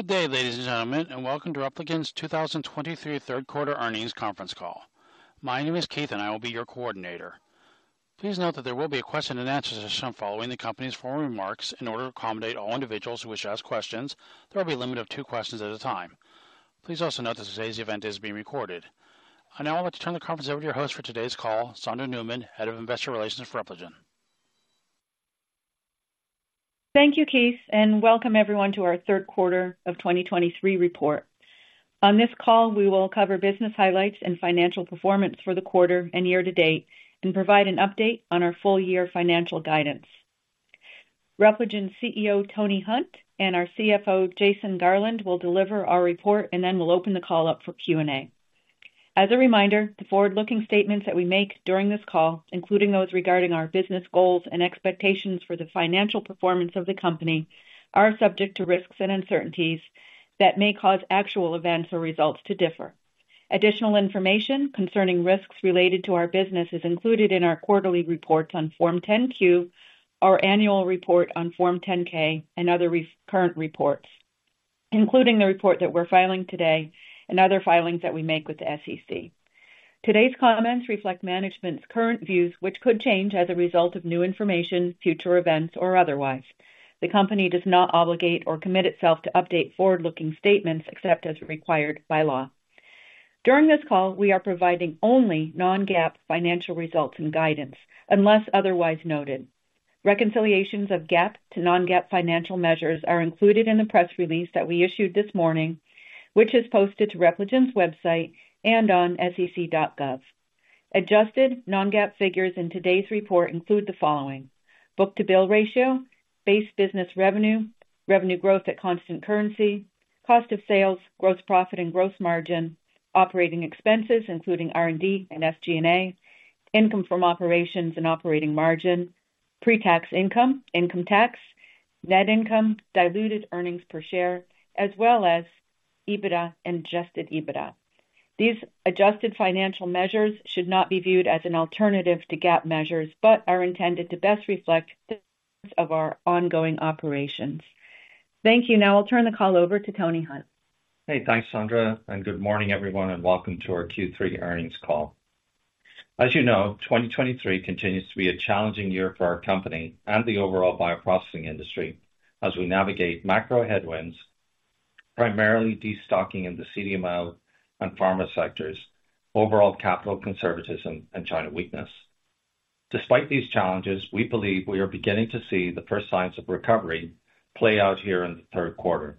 Good day, ladies and gentlemen, and welcome to Repligen's 2023 third quarter earnings conference call. My name is Keith, and I will be your coordinator. Please note that there will be a question and answer session following the company's formal remarks. In order to accommodate all individuals who wish to ask questions, there will be a limit of two questions at a time. Please also note that today's event is being recorded. I now would like to turn the conference over to your host for today's call, Sondra Newman, Head of Investor Relations for Repligen. Thank you, Keith, and welcome everyone to our third quarter of 2023 report. On this call, we will cover business highlights and financial performance for the quarter and year to date, and provide an update on our full year financial guidance. Repligen's CEO, Tony Hunt, and our CFO, Jason Garland, will deliver our report, and then we'll open the call up for Q&A. As a reminder, the forward-looking statements that we make during this call, including those regarding our business goals and expectations for the financial performance of the company, are subject to risks and uncertainties that may cause actual events or results to differ. Additional information concerning risks related to our business is included in our quarterly report on Form 10-Q, our annual report on Form 10-K, and other current reports, including the report that we're filing today and other filings that we make with the SEC. Today's comments reflect management's current views, which could change as a result of new information, future events, or otherwise. The company does not obligate or commit itself to update forward-looking statements except as required by law. During this call, we are providing only non-GAAP financial results and guidance, unless otherwise noted. Reconciliations of GAAP to non-GAAP financial measures are included in the press release that we issued this morning, which is posted to Repligen's website and on sec.gov. Adjusted non-GAAP figures in today's report include the following: book-to-bill ratio, base business revenue, revenue growth at constant currency, cost of sales, gross profit and gross margin, operating expenses, including R&D and SG&A, income from operations and operating margin, pre-tax income, income tax, net income, diluted earnings per share, as well as EBITDA and adjusted EBITDA. These adjusted financial measures should not be viewed as an alternative to GAAP measures, but are intended to best reflect our ongoing operations. Thank you. Now I'll turn the call over to Tony Hunt. Hey, thanks, Sondra, and good morning, everyone, and welcome to our Q3 earnings call. As you know, 2023 continues to be a challenging year for our company and the overall bioprocessing industry as we navigate macro headwinds, primarily destocking in the CDMO and pharma sectors, overall capital conservatism and China weakness. Despite these challenges, we believe we are beginning to see the first signs of recovery play out here in the third quarter.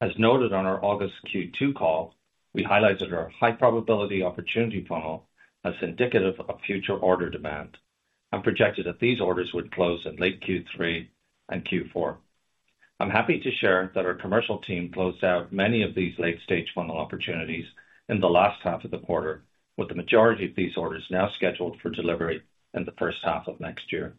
As noted on our August Q2 call, we highlighted our high probability opportunity funnel as indicative of future order demand and projected that these orders would close in late Q3 and Q4. I'm happy to share that our commercial team closed out many of these late-stage funnel opportunities in the last half of the quarter, with the majority of these orders now scheduled for delivery in the first half of next year.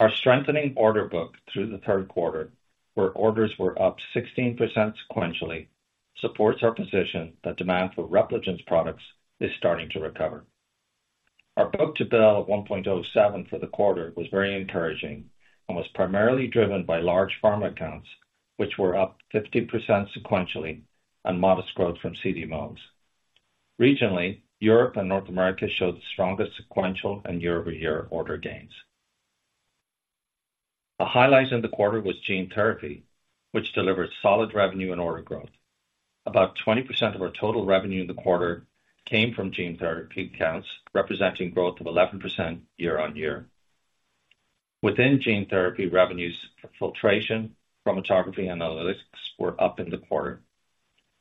Our strengthening order book through the third quarter, where orders were up 16% sequentially, supports our position that demand for Repligen's products is starting to recover. Our book-to-bill of 1.07 for the quarter was very encouraging and was primarily driven by large pharma accounts, which were up 50% sequentially and modest growth from CDMOs. Regionally, Europe and North America showed the strongest sequential and year-over-year order gains. A highlight in the quarter was gene therapy, which delivered solid revenue and order growth. About 20% of our total revenue in the quarter came from gene therapy accounts, representing growth of 11% year-over-year. Within gene therapy, revenues for filtration, chromatography and analytics were up in the quarter.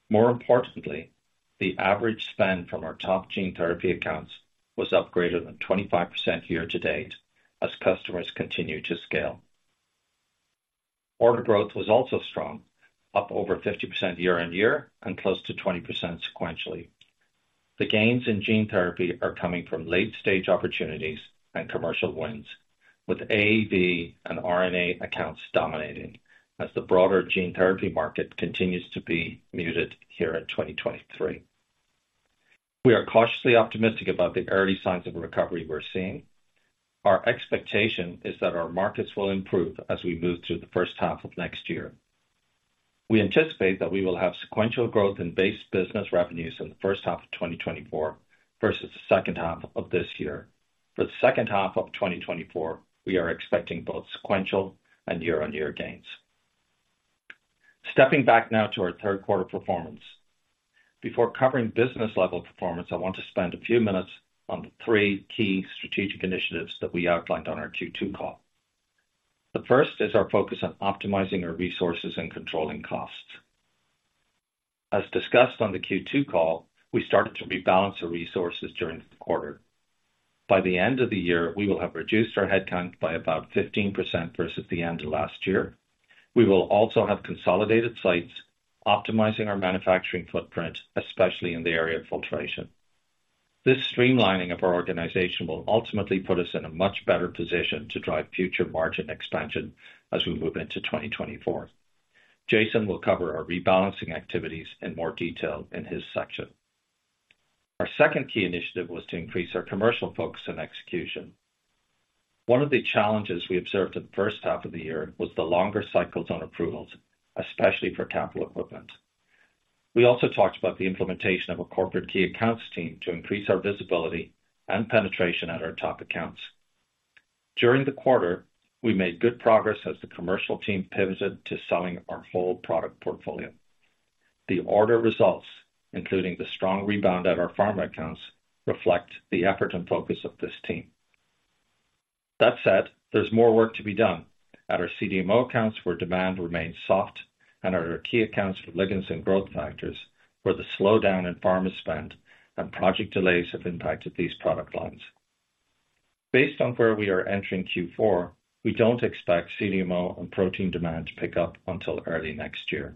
More importantly, the average spend from our top gene therapy accounts was up greater than 25% year to date as customers continue to scale. Order growth was also strong, up over 50% year-on-year and close to 20% sequentially. The gains in gene therapy are coming from late-stage opportunities and commercial wins, with AAV and RNA accounts dominating as the broader gene therapy market continues to be muted here in 2023. We are cautiously optimistic about the early signs of recovery we're seeing. Our expectation is that our markets will improve as we move through the first half of next year. We anticipate that we will have sequential growth in base business revenues in the first half of 2024 versus the second half of this year. For the second half of 2024, we are expecting both sequential and year-on-year gains. Stepping back now to our third quarter performance. Before covering business level performance, I want to spend a few minutes on the 3 key strategic initiatives that we outlined on our Q2 call. The first is our focus on optimizing our resources and controlling costs. As discussed on the Q2 call, we started to rebalance our resources during the quarter. By the end of the year, we will have reduced our headcount by about 15% versus the end of last year. We will also have consolidated sites, optimizing our manufacturing footprint, especially in the area of filtration. This streamlining of our organization will ultimately put us in a much better position to drive future margin expansion as we move into 2024. Jason will cover our rebalancing activities in more detail in his section. Our second key initiative was to increase our commercial focus and execution. One of the challenges we observed in the first half of the year was the longer cycles on approvals, especially for capital equipment. We also talked about the implementation of a corporate key accounts team to increase our visibility and penetration at our top accounts. During the quarter, we made good progress as the commercial team pivoted to selling our full product portfolio. The order results, including the strong rebound at our pharma accounts, reflect the effort and focus of this team. That said, there's more work to be done at our CDMO accounts, where demand remains soft, and at our key accounts for ligands and growth factors, where the slowdown in pharma spend and project delays have impacted these product lines. Based on where we are entering Q4, we don't expect CDMO and protein demand to pick up until early next year.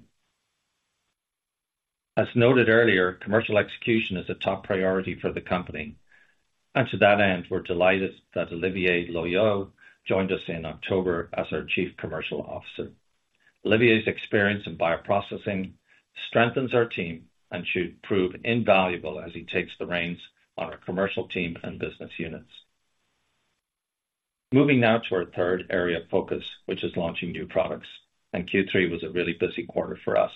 As noted earlier, commercial execution is a top priority for the company, and to that end, we're delighted that Olivier Loeillot joined us in October as our Chief Commercial Officer. Olivier's experience in bioprocessing strengthens our team and should prove invaluable as he takes the reins on our commercial team and business units. Moving now to our third area of focus, which is launching new products, and Q3 was a really busy quarter for us.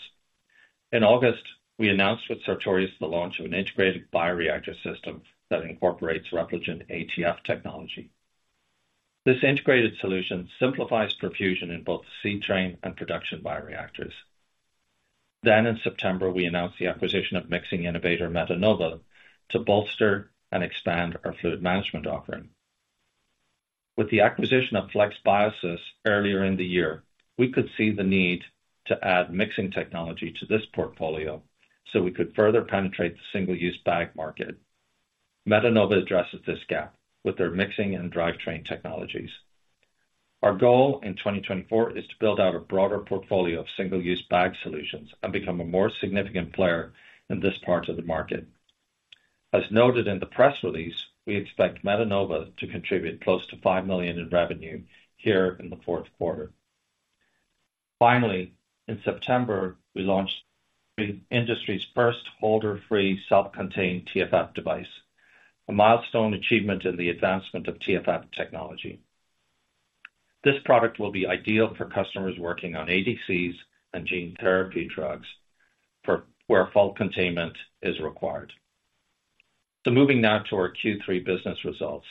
In August, we announced with Sartorius the launch of an integrated bioreactor system that incorporates Repligen ATF technology. This integrated solution simplifies perfusion in both seed train and production bioreactors. In September, we announced the acquisition of mixing innovator Metenova, to bolster and expand our fluid management offering. With the acquisition of FlexBiosys earlier in the year, we could see the need to add mixing technology to this portfolio so we could further penetrate the single-use bag market. Metenova addresses this gap with their mixing and drivetrain technologies. Our goal in 2024 is to build out a broader portfolio of single-use bag solutions and become a more significant player in this part of the market. As noted in the press release, we expect Metenova to contribute close to $5 million in revenue here in the fourth quarter. Finally, in September, we launched the industry's first holder-free, self-contained TFF device, a milestone achievement in the advancement of TFF technology. This product will be ideal for customers working on ADCs and gene therapy drugs where fault containment is required. Moving now to our Q3 business results.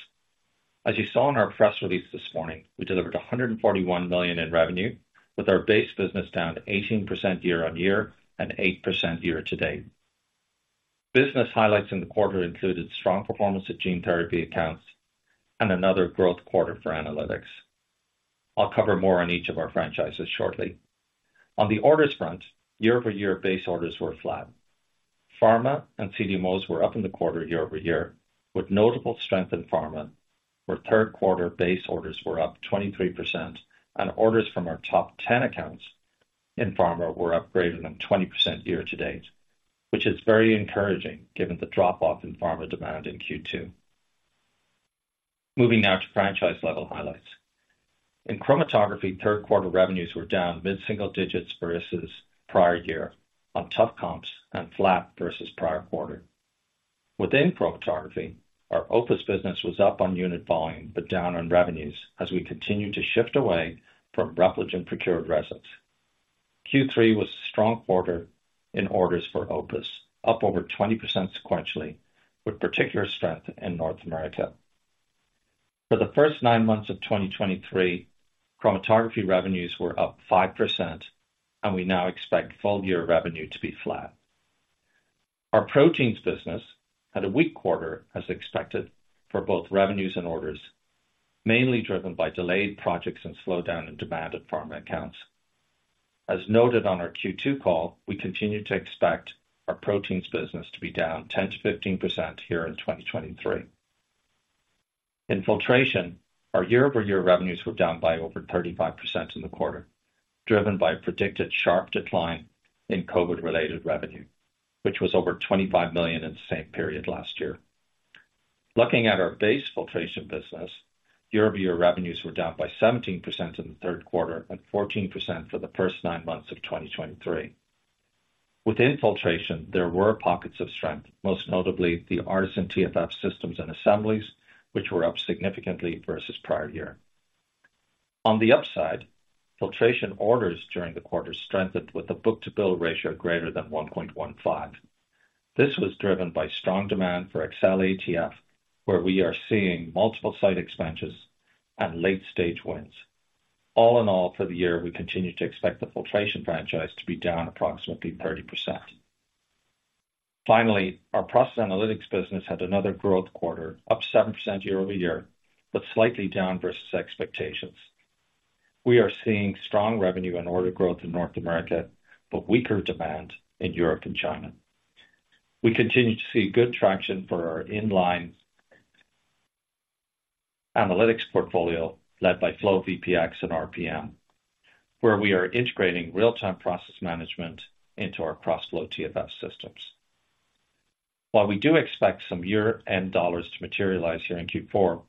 As you saw in our press release this morning, we delivered $141 million in revenue, with our base business down 18% year-over-year and 8% year-to-date. Business highlights in the quarter included strong performance at gene therapy accounts and another growth quarter for analytics. I'll cover more on each of our franchises shortly. On the orders front, year-over-year base orders were flat. Pharma and CDMOs were up in the quarter year-over-year, with notable strength in pharma, where third quarter base orders were up 23% and orders from our top 10 accounts in pharma were up greater than 20% year-to-date, which is very encouraging given the drop-off in pharma demand in Q2. Moving now to franchise-level highlights. In chromatography, third quarter revenues were down mid-single digits versus prior year on tough comps and flat versus prior quarter. Within chromatography, our OPUS business was up on unit volume, but down on revenues as we continued to shift away from Repligen-procured resins. Q3 was a strong quarter in orders for OPUS, up over 20% sequentially, with particular strength in North America. For the first nine months of 2023, chromatography revenues were up 5%, and we now expect full year revenue to be flat. Our proteins business had a weak quarter, as expected, for both revenues and orders, mainly driven by delayed projects and slowdown in demand at pharma accounts. As noted on our Q2 call, we continue to expect our proteins business to be down 10%-15% here in 2023. In filtration, our year-over-year revenues were down by over 35% in the quarter, driven by a predicted sharp decline in COVID-related revenue, which was over $25 million in the same period last year. Looking at our base filtration business, year-over-year revenues were down by 17% in the third quarter and 14% for the first nine months of 2023. Within filtration, there were pockets of strength, most notably the ARTeSYN TFF systems and assemblies, which were up significantly versus prior year. On the upside, filtration orders during the quarter strengthened with a book-to-bill ratio greater than 1.15. This was driven by strong demand for XCell ATF, where we are seeing multiple site expansions and late-stage wins. All in all, for the year, we continue to expect the filtration franchise to be down approximately 30%. Finally, our process analytics business had another growth quarter, up 7% year-over-year, but slightly down versus expectations. We are seeing strong revenue and order growth in North America, but weaker demand in Europe and China. We continue to see good traction for our inline analytics portfolio, led by FlowVPX and RPM, where we are integrating real-time process management into our KrosFlo TFF systems. While we do expect some year-end dollars to materialize here in Q4.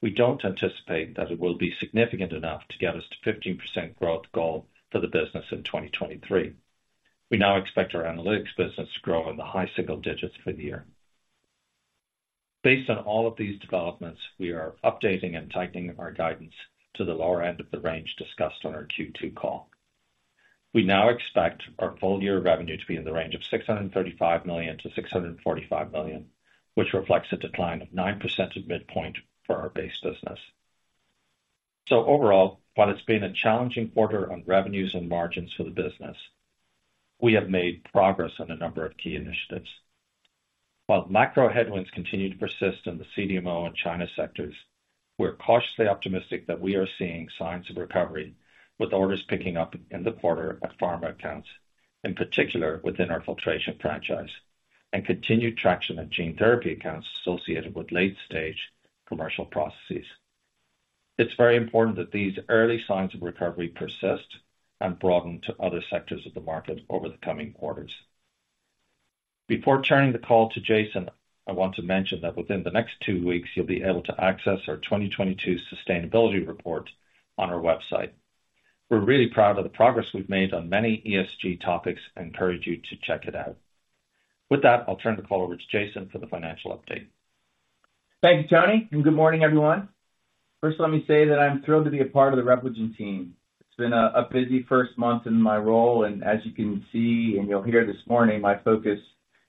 We don't anticipate that it will be significant enough to get us to 15% growth goal for the business in 2023. We now expect our analytics business to grow in the high single digits for the year. Based on all of these developments, we are updating and tightening up our guidance to the lower end of the range discussed on our Q2 call. We now expect our full year revenue to be in the range of $635 million-$645 million, which reflects a decline of 9% at midpoint for our base business. Overall, while it's been a challenging quarter on revenues and margins for the business, we have made progress on a number of key initiatives. While macro headwinds continue to persist in the CDMO and China sectors, we're cautiously optimistic that we are seeing signs of recovery, with orders picking up in the quarter at pharma accounts, in particular within our filtration franchise, and continued traction in gene therapy accounts associated with late-stage commercial processes. It's very important that these early signs of recovery persist and broaden to other sectors of the market over the coming quarters. Before turning the call to Jason, I want to mention that within the next two weeks, you'll be able to access our 2022 sustainability report on our website. We're really proud of the progress we've made on many ESG topics and encourage you to check it out. With that, I'll turn the call over to Jason for the financial update. Thank you, Tony, and good morning, everyone. First, let me say that I'm thrilled to be a part of the Repligen team. It's been a busy first month in my role, and as you can see, and you'll hear this morning, my focus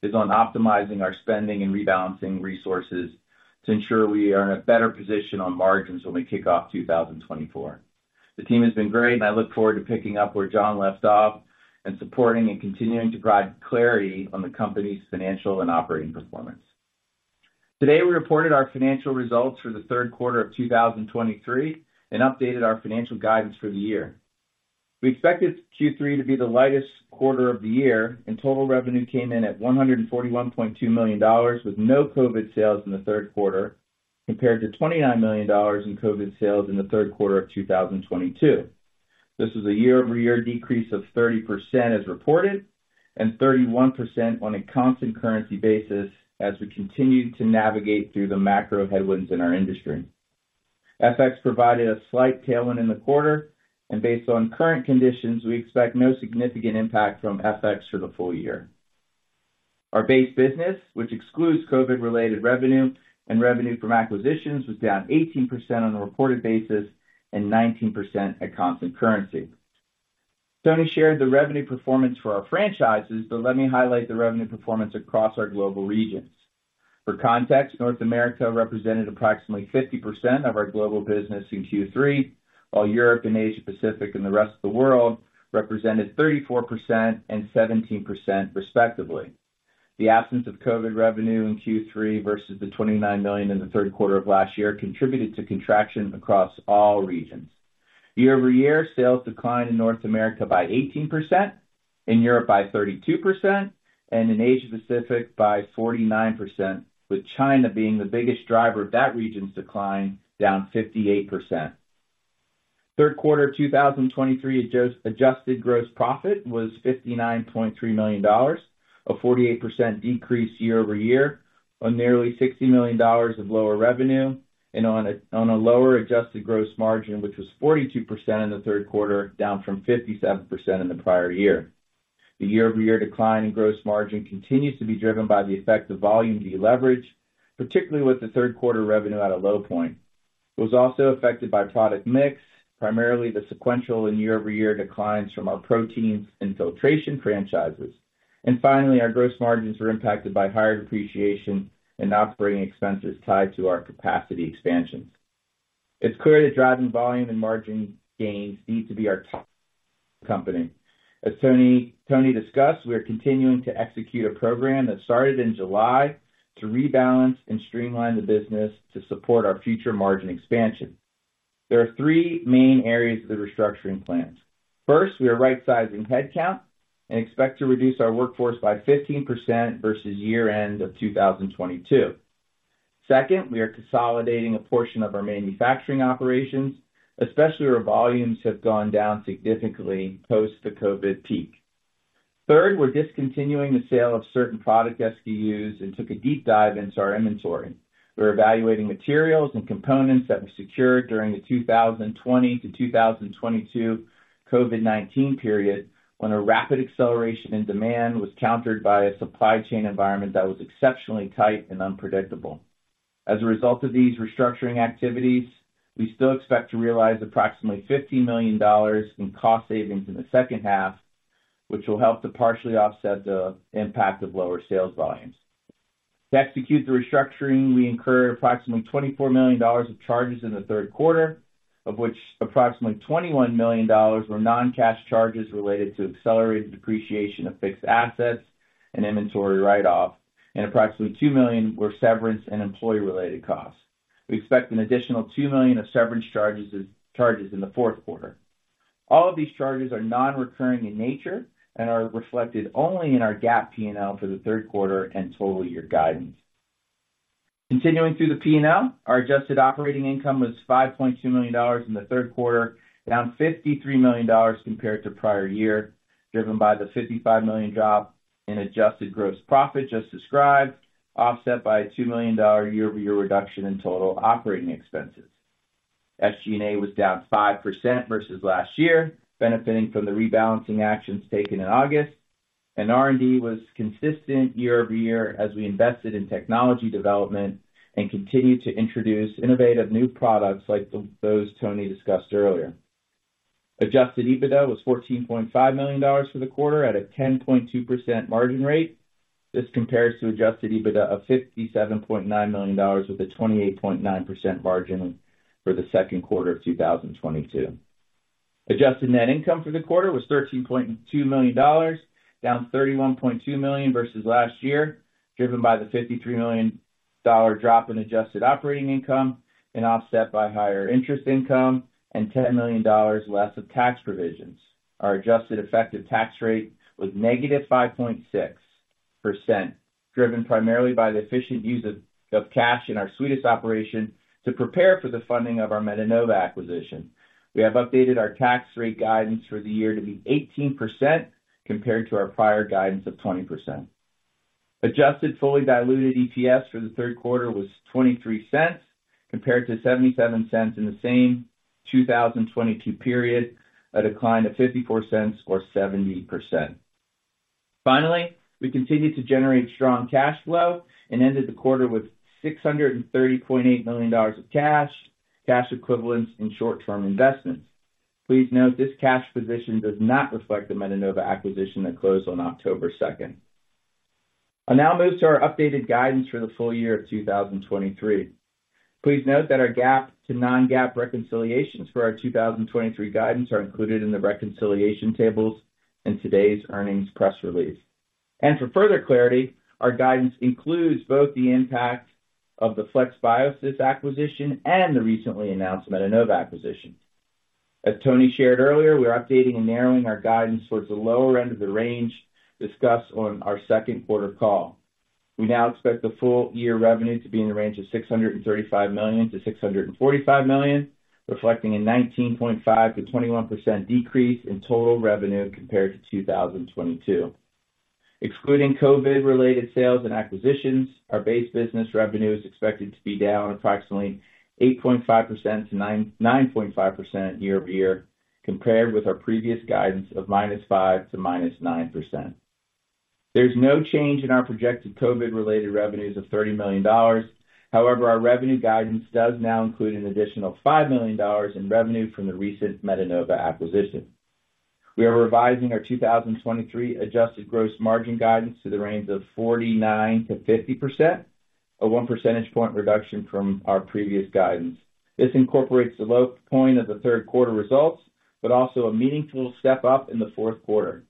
is on optimizing our spending and rebalancing resources to ensure we are in a better position on margins when we kick off 2024. The team has been great, and I look forward to picking up where John left off and supporting and continuing to provide clarity on the company's financial and operating performance. Today, we reported our financial results for the third quarter of 2023 and updated our financial guidance for the year. We expected Q3 to be the lightest quarter of the year, and total revenue came in at $141.2 million, with no COVID sales in the third quarter, compared to $29 million in COVID sales in the third quarter of 2022. This is a year-over-year decrease of 30% as reported, and 31% on a constant currency basis, as we continued to navigate through the macro headwinds in our industry. FX provided a slight tailwind in the quarter, and based on current conditions, we expect no significant impact from FX for the full year. Our base business, which excludes COVID-related revenue and revenue from acquisitions, was down 18% on a reported basis and 19% at constant currency. Tony shared the revenue performance for our franchises, but let me highlight the revenue performance across our global regions. For context, North America represented approximately 50% of our global business in Q3, while Europe and Asia Pacific and the rest of the world represented 34% and 17% respectively. The absence of COVID revenue in Q3 versus the $29 million in the third quarter of last year contributed to contraction across all regions. Year-over-year sales declined in North America by 18%, in Europe by 32%, and in Asia Pacific by 49%, with China being the biggest driver of that region's decline, down 58%. Third quarter of 2023 adjusted gross profit was $59.3 million, a 48% decrease year-over-year on nearly $60 million of lower revenue and on a lower adjusted gross margin, which was 42% in the third quarter, down from 57% in the prior year. The year-over-year decline in gross margin continues to be driven by the effect of volume deleverage, particularly with the third quarter revenue at a low point. It was also affected by product mix, primarily the sequential and year-over-year declines from our proteins and filtration franchises. And finally, our gross margins were impacted by higher depreciation and operating expenses tied to our capacity expansions. It's clear that driving volume and margin gains need to be our top company. As Tony discussed, we are continuing to execute a program that started in July to rebalance and streamline the business to support our future margin expansion. There are three main areas of the restructuring plan. First, we are rightsizing headcount and expect to reduce our workforce by 15% versus year-end of 2022. Second, we are consolidating a portion of our manufacturing operations, especially where volumes have gone down significantly post the COVID peak. Third, we're discontinuing the sale of certain product SKUs and took a deep dive into our inventory. We're evaluating materials and components that were secured during the 2020 to 2022 COVID-19 period, when a rapid acceleration in demand was countered by a supply chain environment that was exceptionally tight and unpredictable. As a result of these restructuring activities, we still expect to realize approximately $50 million in cost savings in the second half, which will help to partially offset the impact of lower sales volumes. To execute the restructuring, we incurred approximately $24 million of charges in the third quarter, of which approximately $21 million were non-cash charges related to accelerated depreciation of fixed assets and inventory write-off, and approximately $2 million were severance and employee-related costs. We expect an additional $2 million of severance charges in the fourth quarter. All of these charges are non-recurring in nature and are reflected only in our GAAP P&L for the third quarter and total year guidance. Continuing through the P&L, our adjusted operating income was $5.2 million in the third quarter, down $53 million compared to prior year, driven by the $55 million drop in adjusted gross profit, just described, offset by a $2 million year-over-year reduction in total operating expenses... SG&A was down 5% versus last year, benefiting from the rebalancing actions taken in August, and R&D was consistent year-over-year as we invested in technology development and continued to introduce innovative new products like those Tony discussed earlier. Adjusted EBITDA was $14.5 million for the quarter, at a 10.2% margin rate. This compares to adjusted EBITDA of $57.9 million, with a 28.9% margin for the second quarter of 2022. Adjusted net income for the quarter was $13.2 million, down $31.2 million versus last year, driven by the $53 million drop in adjusted operating income and offset by higher interest income and $10 million less of tax provisions. Our adjusted effective tax rate was -5.6%, driven primarily by the efficient use of cash in our Swedish operation to prepare for the funding of our Metenova acquisition. We have updated our tax rate guidance for the year to be 18% compared to our prior guidance of 20%. Adjusted fully diluted EPS for the third quarter was $0.23, compared to $0.77 in the same 2022 period, a decline of $0.54 or 70%. Finally, we continued to generate strong cash flow and ended the quarter with $630.8 million of cash, cash equivalents, and short-term investments. Please note, this cash position does not reflect the Metenova acquisition that closed on October second. I'll now move to our updated guidance for the full year of 2023. Please note that our GAAP to non-GAAP reconciliations for our 2023 guidance are included in the reconciliation tables in today's earnings press release. For further clarity, our guidance includes both the impact of the FlexBiosys acquisition and the recently announced Metenova acquisition. As Tony shared earlier, we're updating and narrowing our guidance towards the lower end of the range discussed on our second quarter call. We now expect the full year revenue to be in the range of $635 million-$645 million, reflecting a 19.5%-21% decrease in total revenue compared to 2022. Excluding COVID-related sales and acquisitions, our base business revenue is expected to be down approximately 8.5%-9.5% year-over-year, compared with our previous guidance of -5% to -9%. There's no change in our projected COVID-related revenues of $30 million. However, our revenue guidance does now include an additional $5 million in revenue from the recent Metenova acquisition. We are revising our 2023 adjusted gross margin guidance to the range of 49%-50%, a one percentage point reduction from our previous guidance. This incorporates the low point of the third quarter results, but also a meaningful step up in the fourth quarter.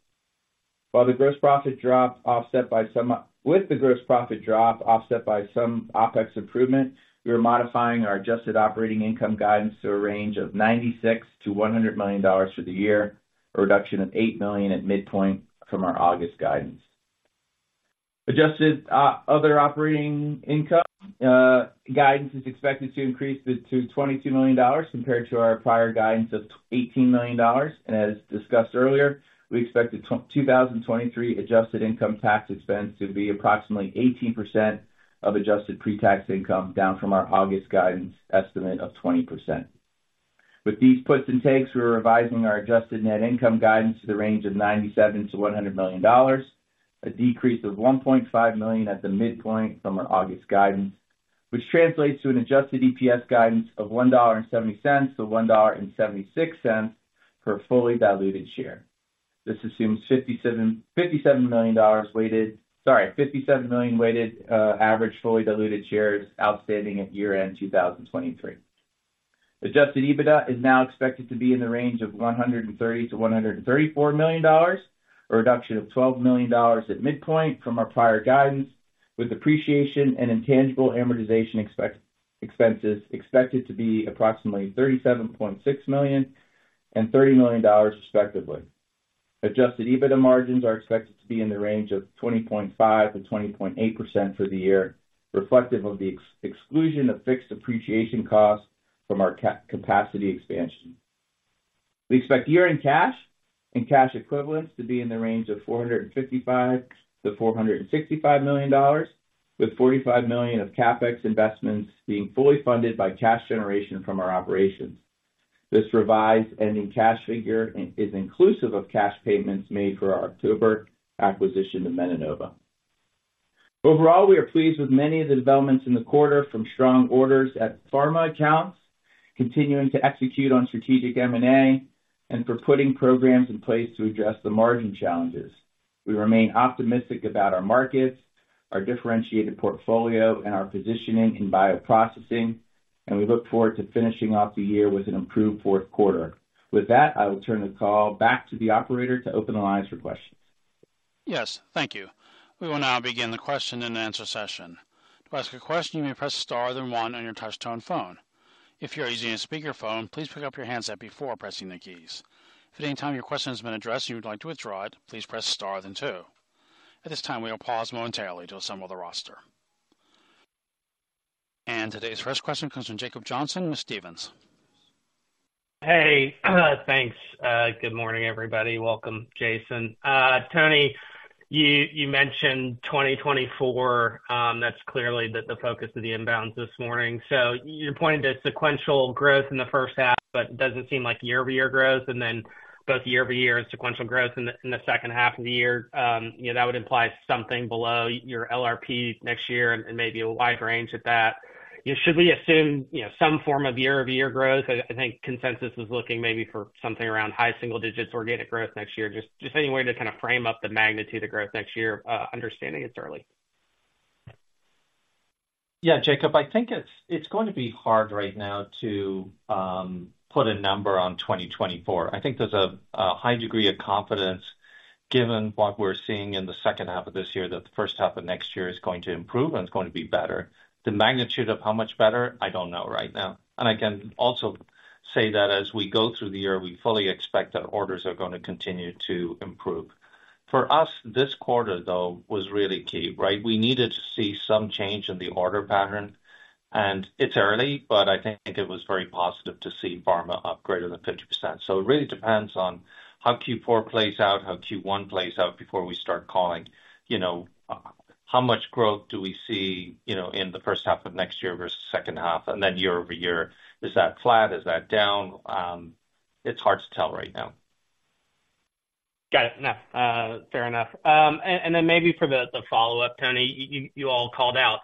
While the gross profit dropped, offset by some with the gross profit drop offset by some OpEx improvement, we are modifying our adjusted operating income guidance to a range of $96 million-$100 million for the year, a reduction of $8 million at midpoint from our August guidance. Adjusted other operating income guidance is expected to increase to $22 million compared to our prior guidance of $18 million. And as discussed earlier, we expect the 2023 adjusted income tax expense to be approximately 18% of adjusted pre-tax income, down from our August guidance estimate of 20%. With these puts and takes, we're revising our adjusted net income guidance to the range of $97 million-$100 million, a decrease of $1.5 million at the midpoint from our August guidance, which translates to an adjusted EPS guidance of $1.70-$1.76 per fully diluted share. This assumes 57 million weighted average fully diluted shares outstanding at year-end 2023. Adjusted EBITDA is now expected to be in the range of $130 million-$134 million, a reduction of $12 million at midpoint from our prior guidance, with depreciation and intangible amortization expenses expected to be approximately $37.6 million and $30 million, respectively. Adjusted EBITDA margins are expected to be in the range of 20.5%-20.8% for the year, reflective of the exclusion of fixed depreciation costs from our capacity expansion. We expect year-end cash and cash equivalents to be in the range of $455 million-$465 million, with $45 million of CapEx investments being fully funded by cash generation from our operations. This revised ending cash figure is inclusive of cash payments made for our October acquisition of Metenova. Overall, we are pleased with many of the developments in the quarter, from strong orders at pharma accounts, continuing to execute on strategic M&A, and for putting programs in place to address the margin challenges. We remain optimistic about our markets, our differentiated portfolio, and our positioning in bioprocessing, and we look forward to finishing off the year with an improved fourth quarter. With that, I will turn the call back to the operator to open the lines for questions. Yes, thank you. We will now begin the question and answer session. To ask a question, you may press star, then one on your touchtone phone. If you're using a speakerphone, please pick up your handset before pressing the keys. If at any time your question has been addressed and you would like to withdraw it, please press star then two. At this time, we will pause momentarily to assemble the roster. Today's first question comes from Jacob Johnson with Stephens. Hey, thanks. Good morning, everybody. Welcome, Jason. Tony, you mentioned 2024. That's clearly the focus of the inbounds this morning. So you're pointing to sequential growth in the first half, but doesn't seem like year-over-year growth, and then both year-over-year and sequential growth in the second half of the year. You know, that would imply something below your LRP next year and maybe a wide range at that. Should we assume, you know, some form of year-over-year growth? I think consensus is looking maybe for something around high single digits organic growth next year. Just any way to kind of frame up the magnitude of growth next year, understanding it's early. Yeah, Jacob, I think it's going to be hard right now to put a number on 2024. I think there's a high degree of confidence given what we're seeing in the second half of this year, that the first half of next year is going to improve and it's going to be better. The magnitude of how much better, I don't know right now. And I can also say that as we go through the year, we fully expect that orders are going to continue to improve. For us, this quarter, though, was really key, right? We needed to see some change in the order pattern, and it's early, but I think it was very positive to see pharma up greater than 50%. So it really depends on how Q4 plays out, how Q1 plays out before we start calling, you know, how much growth do we see, you know, in the first half of next year versus second half, and then year over year, is that flat? Is that down? It's hard to tell right now. Got it. No, fair enough. And then maybe for the follow-up, Tony, you all called out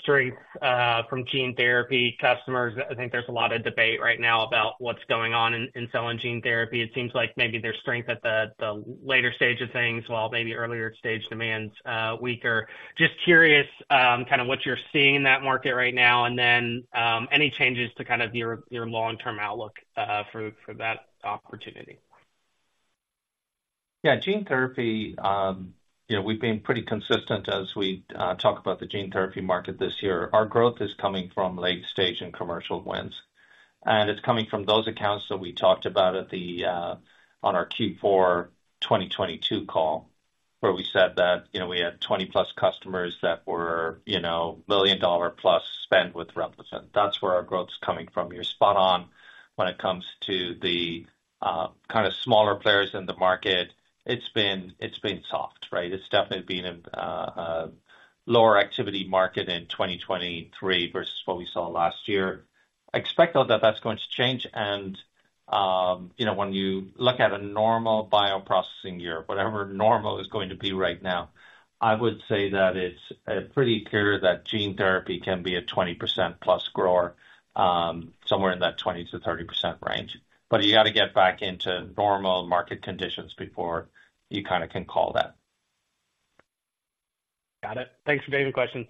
strength from gene therapy customers. I think there's a lot of debate right now about what's going on in cell and gene therapy. It seems like maybe there's strength at the later stage of things, while maybe earlier stage demands weaker. Just curious, kind of what you're seeing in that market right now, and then any changes to kind of your long-term outlook for that opportunity. Yeah, gene therapy, you know, we've been pretty consistent as we talk about the gene therapy market this year. Our growth is coming from late stage and commercial wins, and it's coming from those accounts that we talked about at the on our Q4 2022 call, where we said that, you know, we had 20+ customers that were, you know, million-dollar-plus spend with Repligen. That's where our growth is coming from. You're spot on when it comes to the kind of smaller players in the market. It's been, it's been soft, right? It's definitely been a lower activity market in 2023 versus what we saw last year. I expect, though, that that's going to change and, you know, when you look at a normal bioprocessing year, whatever normal is going to be right now, I would say that it's, pretty clear that gene therapy can be a 20%+ grower, somewhere in that 20%-30% range. But you got to get back into normal market conditions before you kind of can call that. Got it. Thanks for taking the question.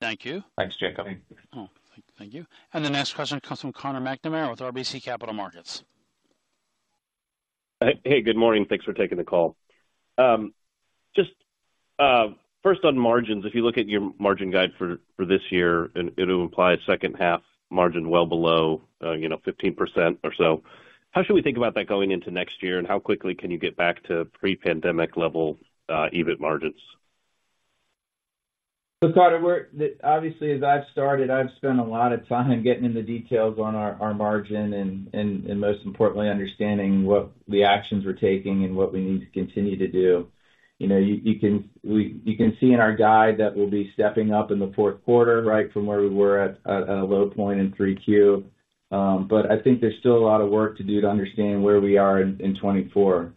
Thank you. Thanks, Jacob. Oh, thank you. And the next question comes from Conor McNamara with RBC Capital Markets. Hey, good morning. Thanks for taking the call. Just first on margins, if you look at your margin guide for this year, and it'll imply a second half margin well below, you know, 15% or so, how should we think about that going into next year? And how quickly can you get back to pre-pandemic level EBIT margins? So Conor, we're obviously, as I've started, I've spent a lot of time getting into details on our margin and most importantly, understanding what the actions we're taking and what we need to continue to do. You know, you can see in our guide that we'll be stepping up in the fourth quarter, right? From where we were at a low point in Q3. But I think there's still a lot of work to do to understand where we are in 2024.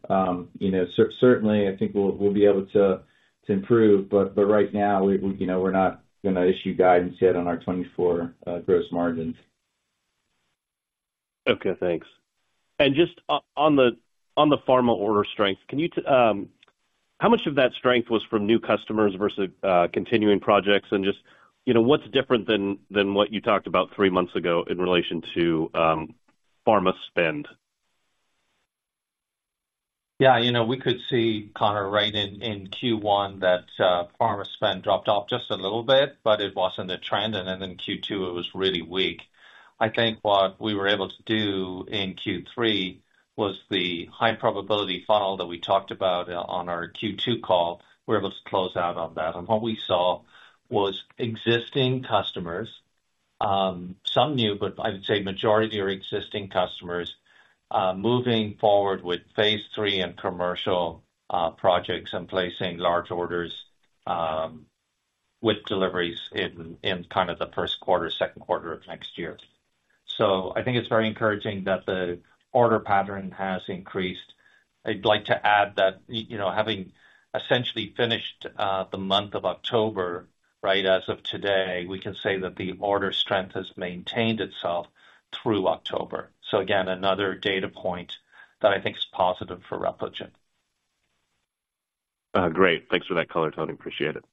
You know, certainly, I think we'll be able to improve, but right now, you know, we're not gonna issue guidance yet on our 2024 gross margins. Okay, thanks. And just on the pharma order strength, can you, How much of that strength was from new customers versus continuing projects? And just, you know, what's different than what you talked about three months ago in relation to pharma spend? Yeah, you know, we could see, Conor, right in Q1, that pharma spend dropped off just a little bit, but it wasn't a trend, and then in Q2, it was really weak. I think what we were able to do in Q3 was the high probability funnel that we talked about on our Q2 call. We're able to close out on that. And what we saw was existing customers, some new, but I would say majority are existing customers moving forward with phase III and commercial projects and placing large orders with deliveries in kind of the first quarter, second quarter of next year. So I think it's very encouraging that the order pattern has increased. I'd like to add that, you know, having essentially finished the month of October, right? As of today, we can say that the order strength has maintained itself through October. So again, another data point that I think is positive for Repligen. Great. Thanks for that color, Tony. Appreciate it.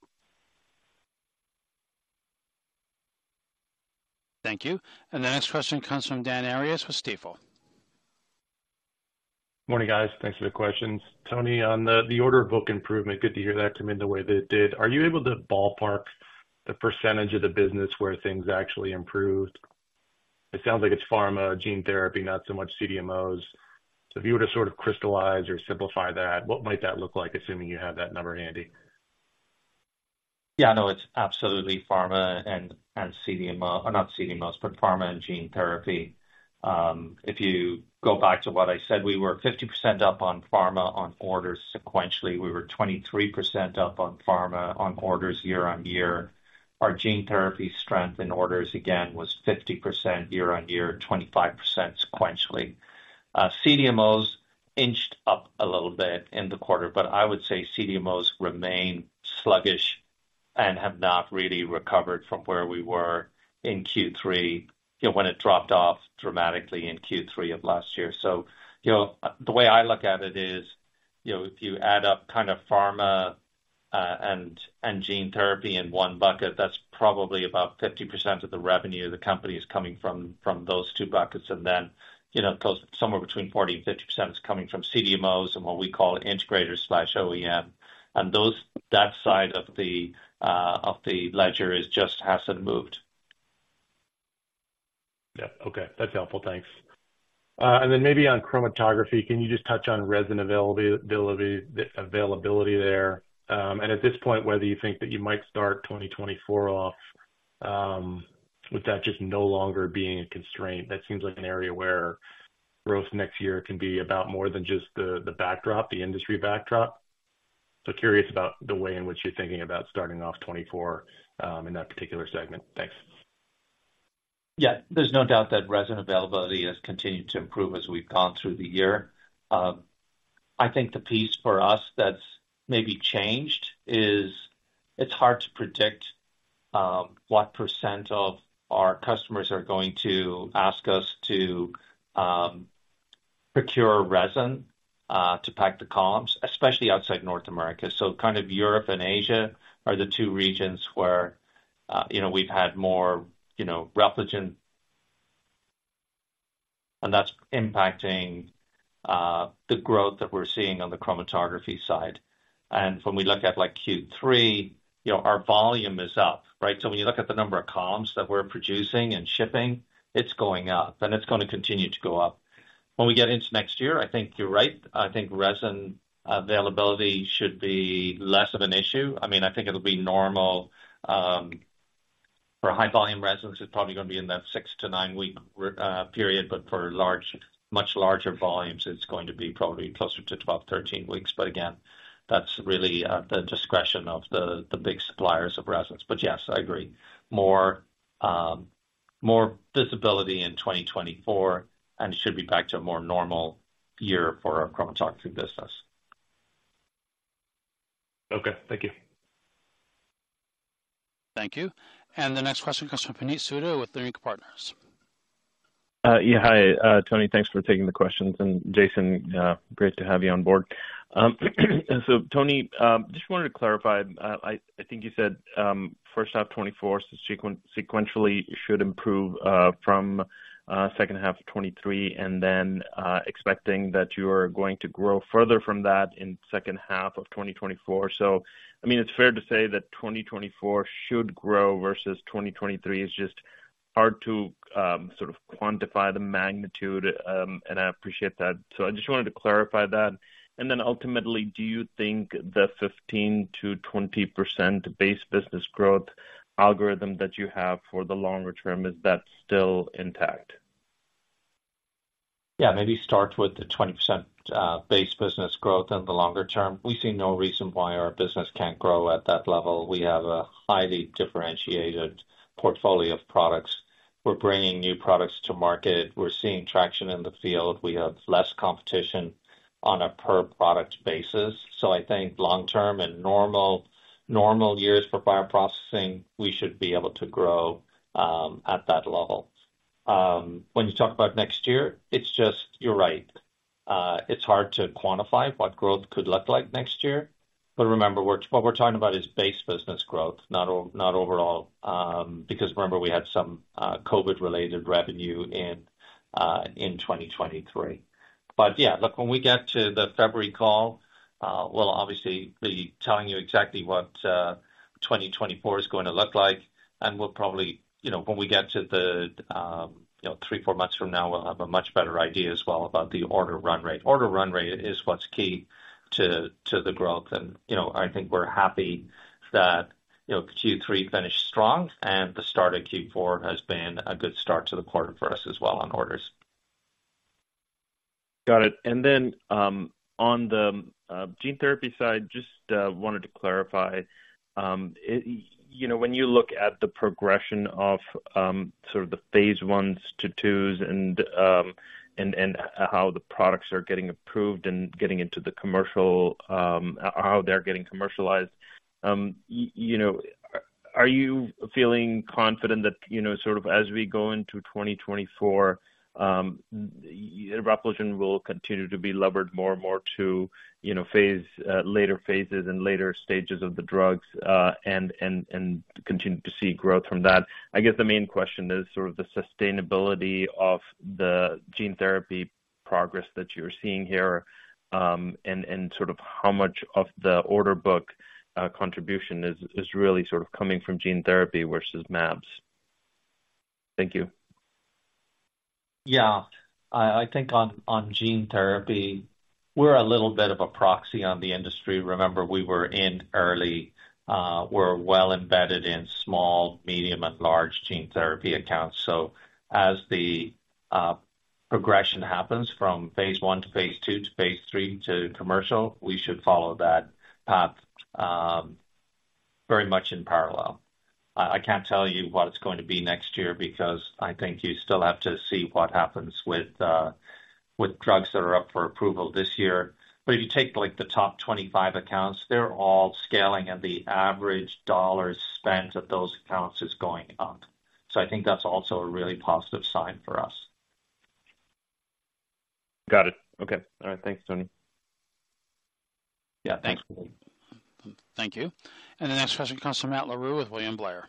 Thank you. The next question comes from Dan Arias with Stifel. Morning, guys. Thanks for the questions. Tony, on the order book improvement, good to hear that come in the way that it did. Are you able to ballpark the percentage of the business where things actually improved? It sounds like it's pharma, gene therapy, not so much CDMOs. So if you were to sort of crystallize or simplify that, what might that look like, assuming you have that number handy? Yeah, no, it's absolutely pharma and, and CDMO, not CDMOs, but pharma and gene therapy. If you go back to what I said, we were 50% up on pharma on orders sequentially. We were 23% up on pharma on orders year-on-year. Our gene therapy strength in orders, again, was 50% year-on-year, 25% sequentially. CDMOs inched up a little bit in the quarter, but I would say CDMOs remain sluggish and have not really recovered from where we were in Q3, you know, when it dropped off dramatically in Q3 of last year. So, you know, the way I look at it is, you know, if you add up kind of pharma, and, and gene therapy in one bucket, that's probably about 50% of the revenue of the company is coming from, from those two buckets. And then, you know, somewhere between 40% and 50% is coming from CDMOs and what we call integrators/OEM. And that side of the ledger is just hasn't moved. Yeah. Okay. That's helpful. Thanks. And then maybe on chromatography, can you just touch on resin availability there? And at this point, whether you think that you might start 2024 off with that just no longer being a constraint. That seems like an area where growth next year can be about more than just the backdrop, the industry backdrop. So curious about the way in which you're thinking about starting off 2024 in that particular segment. Thanks. Yeah, there's no doubt that resin availability has continued to improve as we've gone through the year. I think the piece for us that's maybe changed is it's hard to predict what percent of our customers are going to ask us to procure resin to pack the columns, especially outside North America. So kind of Europe and Asia are the two regions where you know, we've had more, you know, Repligen, and that's impacting the growth that we're seeing on the chromatography side. And when we look at, like, Q3, you know, our volume is up, right? So when you look at the number of columns that we're producing and shipping, it's going up, and it's gonna continue to go up. When we get into next year, I think you're right. I think resin availability should be less of an issue. I mean, I think it'll be normal, for high volume resins, it's probably gonna be in that 6-9 week period, but for large, much larger volumes, it's going to be probably closer to 12-13 weeks. But again, that's really at the discretion of the big suppliers of resins. But yes, I agree. More, more visibility in 2024, and it should be back to a more normal year for our chromatography business. Okay, thank you. Thank you. The next question comes from Puneet Souda with Leerink Partners. Yeah, hi, Tony. Thanks for taking the questions. And Jason, great to have you on board. And so, Tony, just wanted to clarify. I think you said first half 2024, sequentially, should improve from second half of 2023, and then expecting that you're going to grow further from that in second half of 2024. So, I mean, it's fair to say that 2024 should grow versus 2023. It's just hard to sort of quantify the magnitude, and I appreciate that. So I just wanted to clarify that. And then ultimately, do you think the 15%-20% base business growth algorithm that you have for the longer term is still intact? Yeah, maybe start with the 20%, base business growth in the longer term. We see no reason why our business can't grow at that level. We have a highly differentiated portfolio of products. We're bringing new products to market. We're seeing traction in the field. We have less competition on a per-product basis. So I think long term and normal years for bioprocessing, we should be able to grow at that level. When you talk about next year, it's just... You're right. It's hard to quantify what growth could look like next year. But remember, what we're talking about is base business growth, not overall, because remember, we had some COVID-related revenue in 2023. Yeah, look, when we get to the February call, we'll obviously be telling you exactly what 2024 is going to look like, and we'll probably, you know, when we get to the, you know, 3-4 months from now, we'll have a much better idea as well about the order run rate. Order run rate is what's key to the growth and, you know, I think we're happy that, you know, Q3 finished strong and the start of Q4 has been a good start to the quarter for us as well on orders. Got it. And then, on the gene therapy side, just wanted to clarify. You know, when you look at the progression of sort of the phase I to II and how the products are getting approved and getting into the commercial, how they're getting commercialized, you know, are you feeling confident that, you know, sort of as we go into 2024, Repligen will continue to be levered more and more to, you know, phase later phases and later stages of the drugs, and continue to see growth from that? I guess the main question is sort of the sustainability of the gene therapy progress that you're seeing here, and sort of how much of the order book contribution is really sort of coming from gene therapy versus mAbs. Thank you. Yeah, I think on gene therapy, we're a little bit of a proxy on the industry. Remember, we were in early, we're well embedded in small, medium, and large gene therapy accounts. So as the progression happens from phase I to phase II to phase III to commercial, we should follow that path very much in parallel. I can't tell you what it's going to be next year because I think you still have to see what happens with drugs that are up for approval this year. But if you take, like, the top 25 accounts, they're all scaling, and the average dollars spent at those accounts is going up. So I think that's also a really positive sign for us. Got it. Okay. All right, thanks, Tony. Yeah, thanks. Thank you. The next question comes from Matt Larew with William Blair.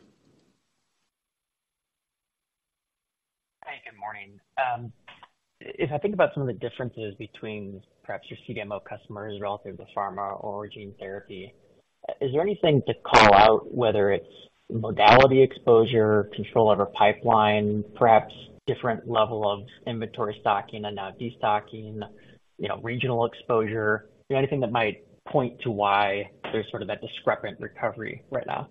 Hi, good morning. If I think about some of the differences between perhaps your CDMO customers relative to pharma or gene therapy, is there anything to call out, whether it's modality exposure, control over pipeline, perhaps different level of inventory stocking and, destocking, you know, regional exposure? Anything that might point to why there's sort of that discrepant recovery right now?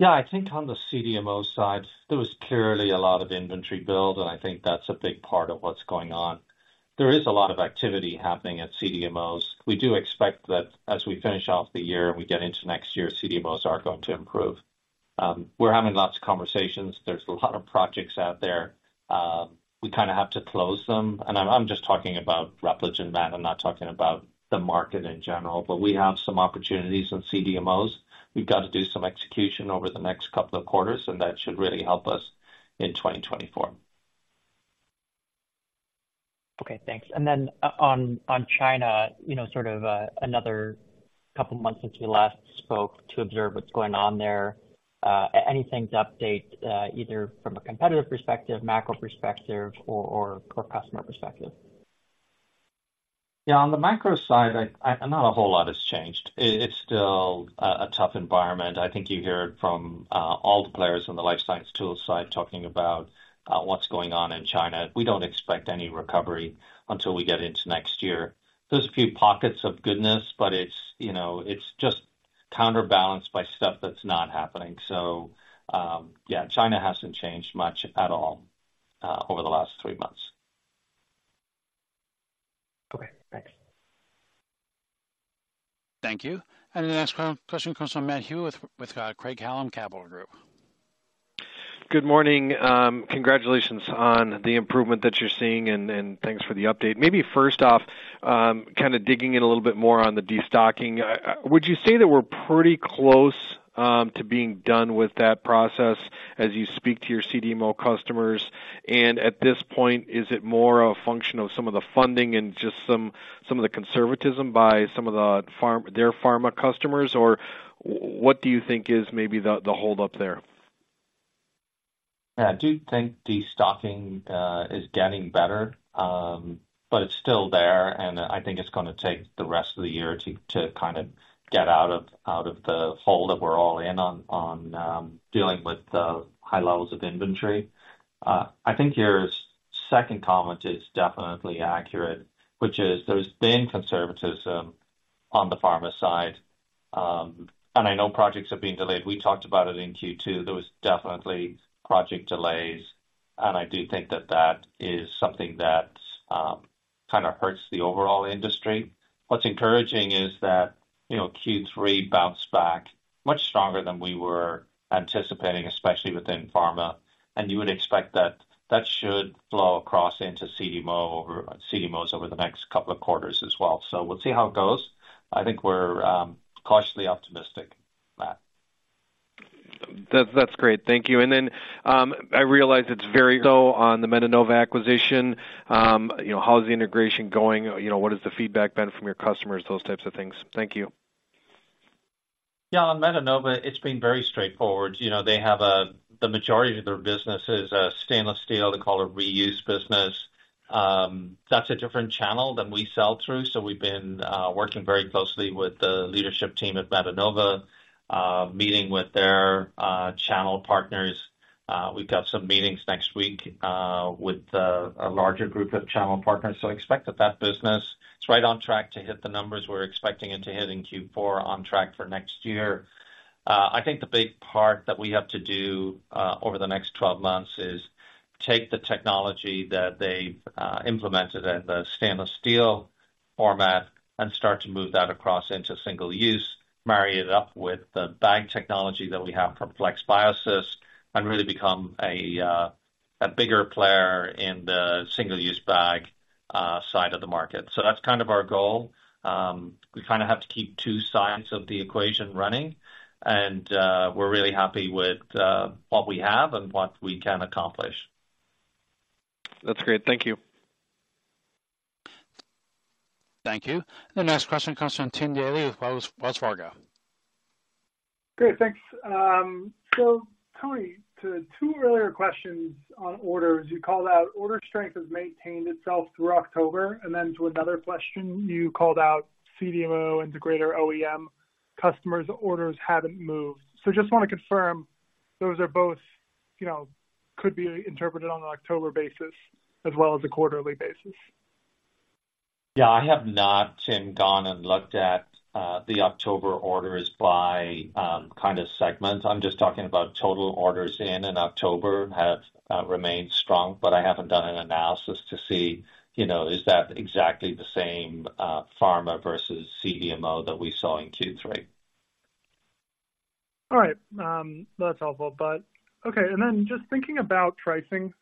Yeah, I think on the CDMO side, there was clearly a lot of inventory build, and I think that's a big part of what's going on. There is a lot of activity happening at CDMOs. We do expect that as we finish off the year and we get into next year, CDMOs are going to improve. We're having lots of conversations. There's a lot of projects out there. We kind of have to close them. And I'm just talking about Repligen, Matt. I'm not talking about the market in general, but we have some opportunities on CDMOs. We've got to do some execution over the next couple of quarters, and that should really help us in 2024. Okay, thanks. And then on China, you know, sort of another couple of months since we last spoke to observe what's going on there. Anything to update, either from a competitive perspective, macro perspective or customer perspective? Yeah, on the macro side, I not a whole lot has changed. It's still a tough environment. I think you hear it from all the players on the life science tools side, talking about what's going on in China. We don't expect any recovery until we get into next year. There's a few pockets of goodness, but it's, you know, it's just counterbalanced by stuff that's not happening. So, yeah, China hasn't changed much at all, over the last three months. Okay, thanks. Thank you. And the next question comes from Matt Hewitt with Craig-Hallum Capital Group. Good morning. Congratulations on the improvement that you're seeing, and thanks for the update. Maybe first off, kind of digging in a little bit more on the destocking. Would you say that we're pretty close to being done with that process as you speak to your CDMO customers? And at this point, is it more a function of some of the funding and just some of the conservatism by some of their pharma customers, or what do you think is maybe the hold up there? I do think destocking is getting better, but it's still there, and I think it's gonna take the rest of the year to kind of get out of the hole that we're all in on dealing with the high levels of inventory. I think your second comment is definitely accurate, which is there's been conservatism on the pharma side, and I know projects have been delayed. We talked about it in Q2. There was definitely project delays, and I do think that that is something that kind of hurts the overall industry. What's encouraging is that, you know, Q3 bounced back much stronger than we were anticipating, especially within pharma, and you would expect that that should flow across into CDMO or CDMOs over the next couple of quarters as well. So we'll see how it goes.I think we're cautiously optimistic, Matt. That's great. Thank you. And then, I realize it's very low on the Metenova acquisition. You know, how's the integration going? You know, what has the feedback been from your customers, those types of things. Thank you. Yeah, on Metenova, it's been very straightforward. You know, they have the majority of their business is, stainless steel. They call it reuse business. That's a different channel than we sell through. So we've been working very closely with the leadership team at Metenova, meeting with their channel partners. We've got some meetings next week, with a larger group of channel partners. So I expect that that business is right on track to hit the numbers we're expecting it to hit in Q4, on track for next year. I think the big part that we have to do over the next 12 months is take the technology that they've implemented in the stainless steel format and start to move that across into single use, marry it up with the bag technology that we have from FlexBiosys, and really become a bigger player in the single-use bag side of the market. So that's kind of our goal. We kind of have to keep two sides of the equation running, and we're really happy with what we have and what we can accomplish. That's great. Thank you. Thank you. The next question comes from Tim Daley with Wells Fargo. Great, thanks. So Tony, to two earlier questions on orders, you called out order strength has maintained itself through October, and then to another question, you called out CDMO integrator OEM customers' orders haven't moved. So just want to confirm, those are both, you know, could be interpreted on an October basis as well as a quarterly basis? Yeah, I have not, Tim, gone and looked at the October orders by kind of segment. I'm just talking about total orders in October have remained strong, but I haven't done an analysis to see, you know, is that exactly the same pharma versus CDMO that we saw in Q3. All right. That's helpful. But okay, and then just thinking about pricing,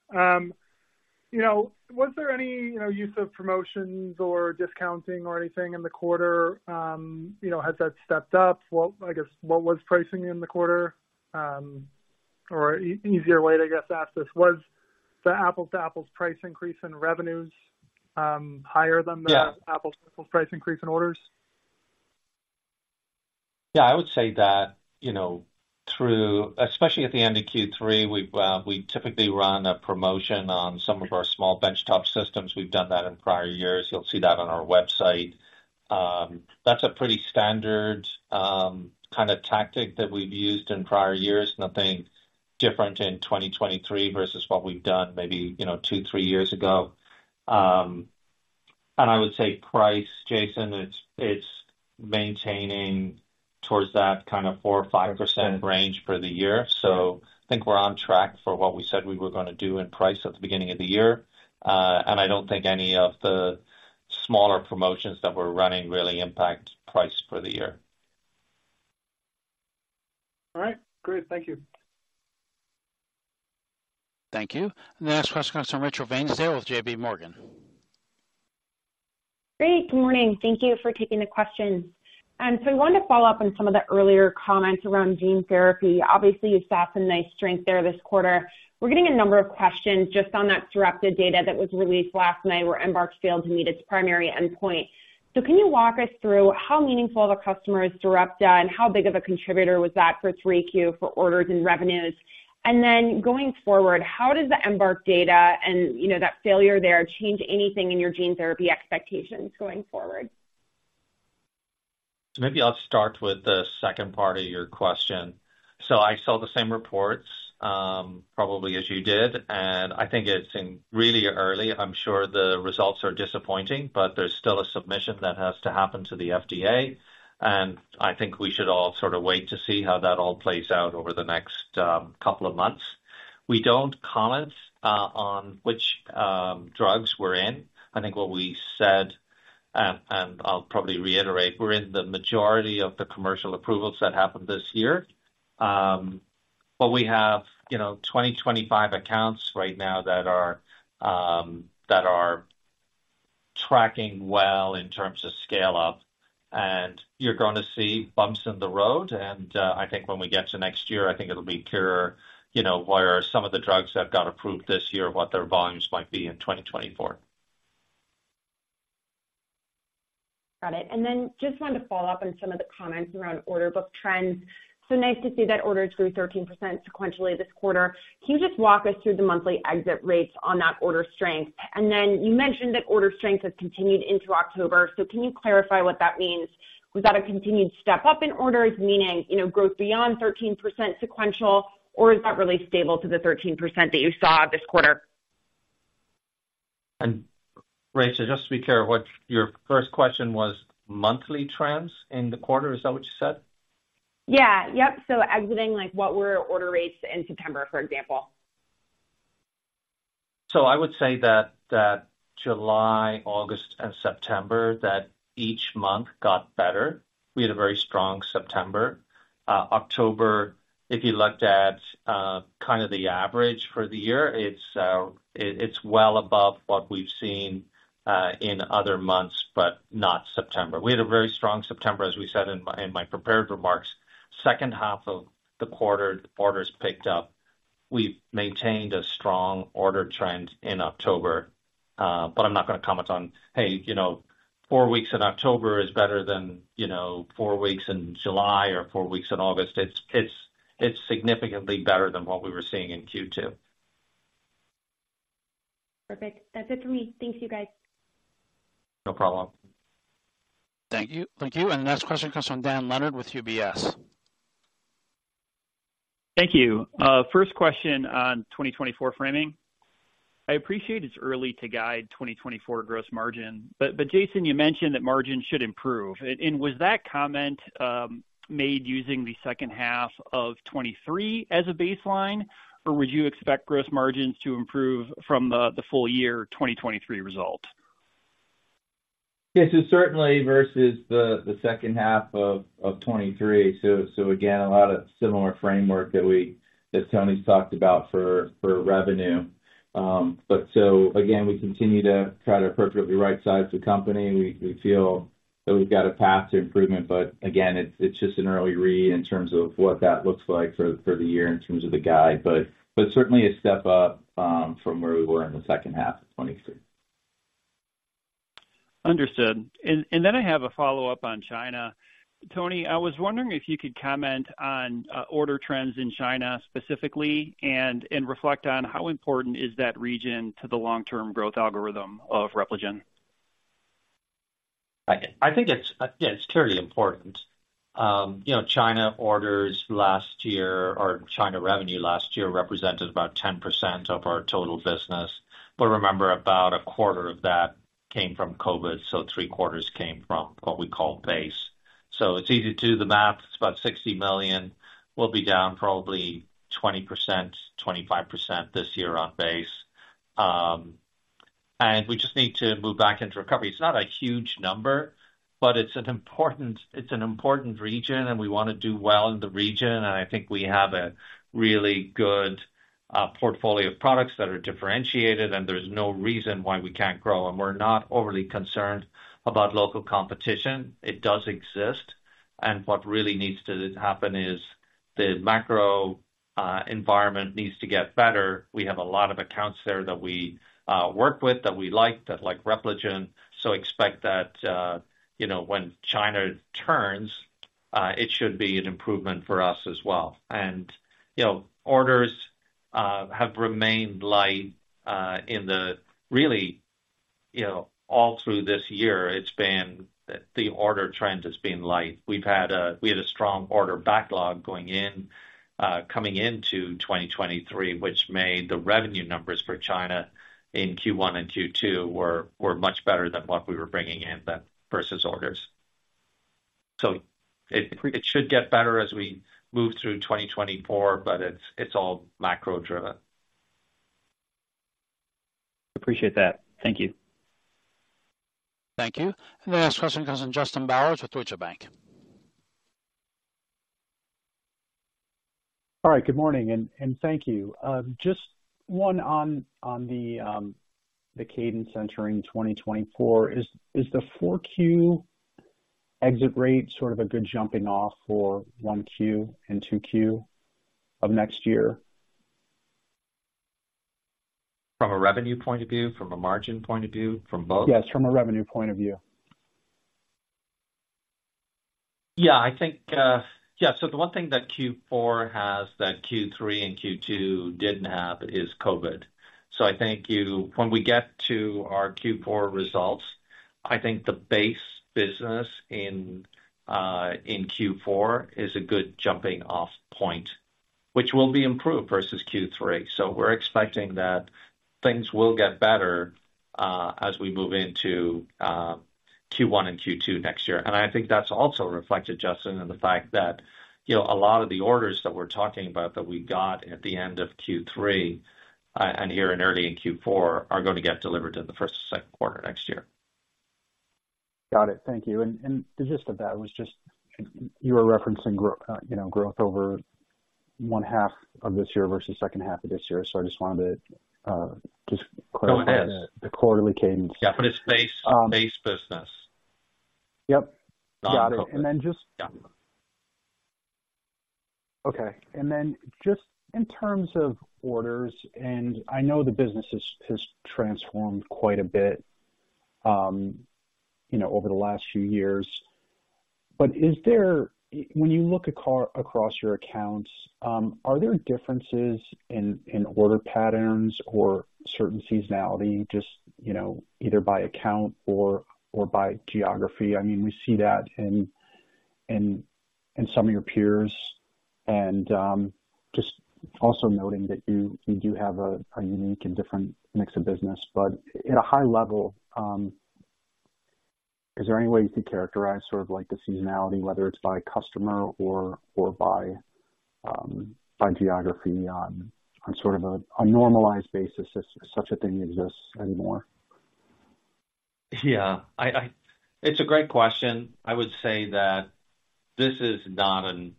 you know, was there any, you know, use of promotions or discounting or anything in the quarter? You know, has that stepped up? What—I guess, what was pricing in the quarter? Or easier way to, I guess, ask this, was the apples-to-apples price increase in revenues, higher than the- Yeah. Apples-to-apples price increase in orders? Yeah, I would say that, you know, through, especially at the end of Q3, we typically run a promotion on some of our small benchtop systems. We've done that in prior years. You'll see that on our website. That's a pretty standard kind of tactic that we've used in prior years. Nothing different in 2023 versus what we've done maybe, you know, 2-3 years ago. And I would say price, Jason, it's maintaining towards that kind of 4%-5% range for the year. So I think we're on track for what we said we were going to do in price at the beginning of the year. And I don't think any of the smaller promotions that we're running really impact price for the year. All right, great. Thank you. Thank you. The next question comes from Rachel Vatnsdal with JPMorgan. Great, good morning. Thank you for taking the questions. And so I wanted to follow up on some of the earlier comments around gene therapy. Obviously, you saw some nice strength there this quarter. We're getting a number of questions just on that Sarepta data that was released last night, where Embark failed to meet its primary endpoint. So can you walk us through how meaningful of a customer is Sarepta, and how big of a contributor was that for 3Q24 orders and revenues? And then going forward, how does the Embark data and, you know, that failure there change anything in your gene therapy expectations going forward? Maybe I'll start with the second part of your question. So I saw the same reports, probably as you did, and I think it's in really early. I'm sure the results are disappointing, but there's still a submission that has to happen to the FDA, and I think we should all sort of wait to see how that all plays out over the next, couple of months. We don't comment on which, drugs we're in. I think what we said, and I'll probably reiterate, we're in the majority of the commercial approvals that happened this year. But we have, you know, 20-25 accounts right now that are, that are tracking well in terms of scale up, and you're going to see bumps in the road. I think when we get to next year, I think it'll be clearer, you know, where some of the drugs that got approved this year, what their volumes might be in 2024. Got it. And then just wanted to follow up on some of the comments around order book trends. So nice to see that orders grew 13% sequentially this quarter. Can you just walk us through the monthly exit rates on that order strength? And then you mentioned that order strength has continued into October, so can you clarify what that means? Was that a continued step up in orders, meaning, you know, growth beyond 13% sequential, or is that really stable to the 13% that you saw this quarter? Rachel, just to be clear, what your first question was, monthly trends in the quarter? Is that what you said? Yeah. Yep. So exiting, like, what were order rates in September, for example? So I would say that July, August, and September, each month got better. We had a very strong September. October, if you looked at kind of the average for the year, it's, it, it's well above what we've seen in other months, but not September. We had a very strong September, as we said in my prepared remarks. Second half of the quarter, the orders picked up. We've maintained a strong order trend in October, but I'm not going to comment on, hey, you know, four weeks in October is better than, you know, four weeks in July or four weeks in August. It's, it's, it's significantly better than what we were seeing in Q2. Perfect. That's it for me. Thank you, guys. No problem. Thank you. Thank you. The next question comes from Dan Leonard with UBS. Thank you. First question on 2024 framing. I appreciate it's early to guide 2024 gross margin, but Jason, you mentioned that margin should improve. Was that comment made using the second half of 2023 as a baseline, or would you expect gross margins to improve from the full year 2023 result? Yes, so certainly versus the second half of 2023. So again, a lot of similar framework that Tony's talked about for revenue. But so again, we continue to try to appropriately rightsize the company. We feel that we've got a path to improvement, but again, it's just an early read in terms of what that looks like for the year in terms of the guide. But certainly a step up from where we were in the second half of 2023. Understood. And then I have a follow-up on China. Tony, I was wondering if you could comment on order trends in China specifically, and reflect on how important is that region to the long-term growth algorithm of Repligen? I think it's clearly important. You know, China orders last year or China revenue last year represented about 10% of our total business. But remember, about a quarter of that came from COVID, so three quarters came from what we call base. So it's easy to do the math. It's about $60 million. We'll be down probably 20%-25% this year on base. And we just need to move back into recovery. It's not a huge number, but it's an important region, and we wanna do well in the region. And I think we have a really good portfolio of products that are differentiated, and there's no reason why we can't grow. And we're not overly concerned about local competition. It does exist, and what really needs to happen is the macro environment needs to get better. We have a lot of accounts there that we work with, that we like, that like Repligen. So expect that, you know, when China turns, it should be an improvement for us as well. And, you know, orders have remained light in there, really, you know, all through this year. It's been the order trend has been light. We had a strong order backlog going in, coming into 2023, which made the revenue numbers for China in Q1 and Q2 were much better than what we were bringing in then versus orders. So it should get better as we move through 2024, but it's all macro driven. Appreciate that. Thank you. Thank you. The next question comes from Justin Bowers with Deutsche Bank. All right. Good morning, and thank you. Just one on the cadence entering 2024. Is the 4Q exit rate sort of a good jumping off for 1Q and 2Q of next year? From a revenue point of view? From a margin point of view? From both? Yes, from a revenue point of view. Yeah, I think. Yeah, so the one thing that Q4 has, that Q3 and Q2 didn't have, is COVID. So I think you, when we get to our Q4 results, I think the base business in, in Q4 is a good jumping off point, which will be improved versus Q3. So we're expecting that things will get better, as we move into, Q1 and Q2 next year. And I think that's also reflected, Justin, in the fact that, you know, a lot of the orders that we're talking about that we got at the end of Q3, and here in early in Q4, are gonna get delivered in the first or second quarter next year. Got it. Thank you. And the gist of that was just, you were referencing, you know, growth over one half of this year versus second half of this year. So I just wanted to just clarify- Go ahead. the quarterly cadence. Yeah, but it's base, base business. Yep. Got it. Non-COVID. And then just- Yeah. Okay. And then just in terms of orders, and I know the business has transformed quite a bit, you know, over the last few years. But is there—when you look across your accounts, are there differences in order patterns or certain seasonality, just, you know, either by account or by geography? I mean, we see that in some of your peers. And just also noting that you do have a unique and different mix of business. But at a high level, is there any way you can characterize sort of like the seasonality, whether it's by customer or by geography on sort of a normalized basis, if such a thing exists anymore? Yeah, it's a great question. I would say that this is not an,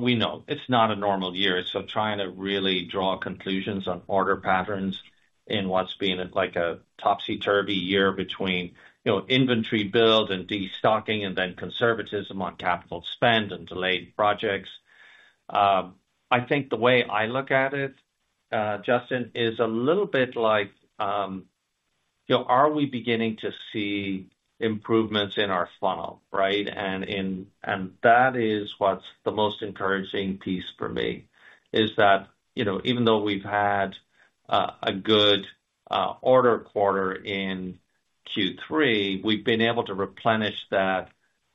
we know it's not a normal year, so trying to really draw conclusions on order patterns in what's been like a topsy-turvy year between, you know, inventory build and destocking and then conservatism on capital spend and delayed projects. I think the way I look at it, Justin, is a little bit like, you know, are we beginning to see improvements in our funnel, right? And in and that is what's the most encouraging piece for me, is that, you know, even though we've had a good order quarter in Q3, we've been able to replenish that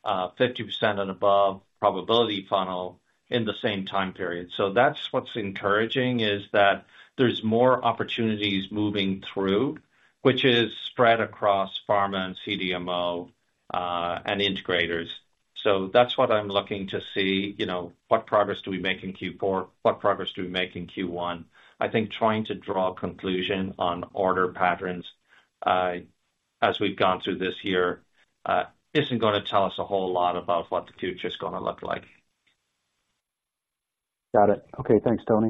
50% and above probability funnel in the same time period. So that's what's encouraging, is that there's more opportunities moving through, which is spread across pharma and CDMO, and integrators. So that's what I'm looking to see, you know, what progress do we make in Q4? What progress do we make in Q1? I think trying to draw a conclusion on order patterns, as we've gone through this year, isn't gonna tell us a whole lot about what the future is gonna look like. Got it. Okay. Thanks, Tony.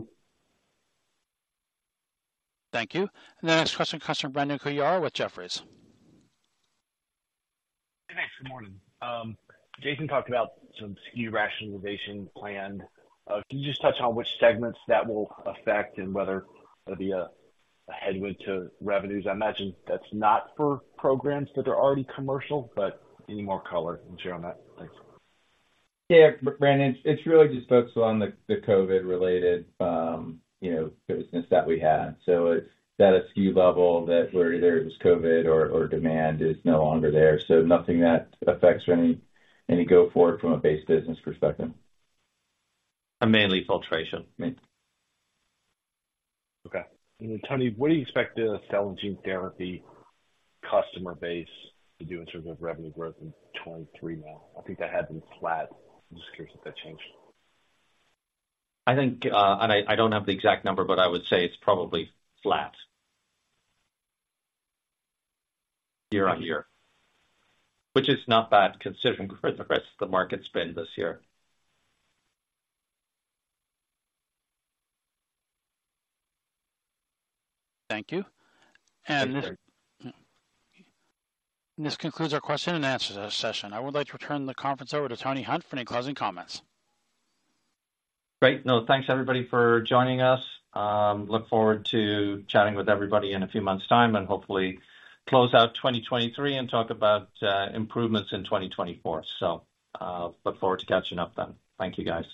Thank you. The next question comes from Brandon Couillard with Jefferies. Hey, thanks. Good morning. Jason talked about some SKU rationalization planned. Can you just touch on which segments that will affect and whether it'll be a headwind to revenues? I imagine that's not for programs that are already commercial, but any more color you can share on that? Thanks. Yeah, Brandon, it's really just focused on the COVID-related, you know, business that we had. So it's at a SKU level where either it was COVID or demand is no longer there. So nothing that affects any go forward from a base business perspective. Mainly filtration. Mainly. Okay. Tony, what do you expect the cell and gene therapy customer base to do in terms of revenue growth in 2023 now? I think that had been flat. I'm just curious if that changed. I think, I don't have the exact number, but I would say it's probably flat year-on-year, which is not bad considering where the rest of the market's been this year. Thank you. This concludes our question and answer session. I would like to turn the conference over to Tony Hunt for any closing comments. Great. No, thanks everybody for joining us. Look forward to chatting with everybody in a few months' time and hopefully close out 2023 and talk about improvements in 2024. So, look forward to catching up then. Thank you, guys.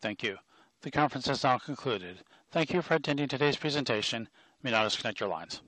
Thank you. The conference has now concluded. Thank you for attending today's presentation. You may now disconnect your lines.